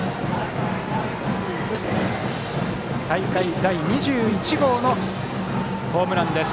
大会第２１号のホームランです。